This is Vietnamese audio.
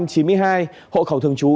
hậu khẩu thường trú